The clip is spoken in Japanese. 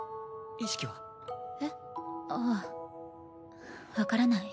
意識は？えっ？ああ分からない。